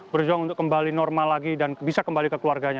berjuang untuk kembali normal lagi dan bisa kembali ke keluarganya